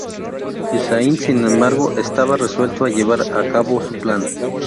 Hussain, sin embargo, estaba resuelto a llevar a cabo su plan.